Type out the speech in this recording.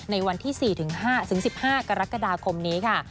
ในวันที่๔๕๑๕กรกฎาคมนี้ค่ะ